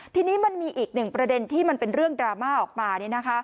ทีนี้มันมีอีกหนึ่งประเด็นที่มันเป็นเรื่องดราม่าออกมา